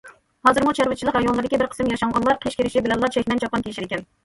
ھازىرمۇ چارۋىچىلىق رايونلىرىدىكى بىر قىسىم ياشانغانلار قىش كىرىشى بىلەنلا چەكمەن چاپان كىيىشىدىكەن.